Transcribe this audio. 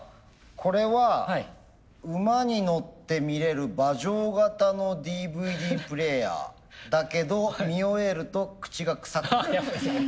これは馬に乗って見れる馬上型のＤＶＤプレーヤーだけど見終えると口がくさくなる。